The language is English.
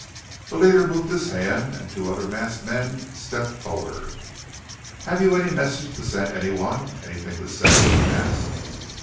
The leader moved his hand and two other masked men stepped forward. "Have you any message to send any one anything to say?" he asked.